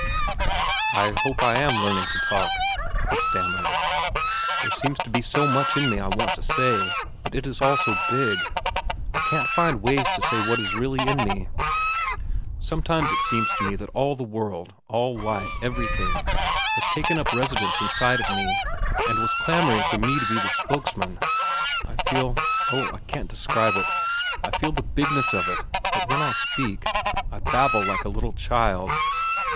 "I hope I am learning to talk," he stammered. "There seems to be so much in me I want to say. But it is all so big. I can't find ways to say what is really in me. Sometimes it seems to me that all the world, all life, everything, had taken up residence inside of me and was clamoring for me to be the spokesman. I feel—oh, I can't describe it—I feel the bigness of it, but when I speak, I babble like a little child.